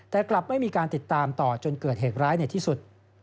แต่กลับไม่มีการติดตามต่อจนเกิดเหตุร้ายในที่สุด